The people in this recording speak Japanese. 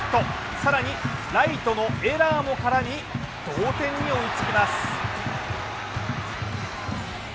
更にライトのエラーも絡み、同点に追いつきます。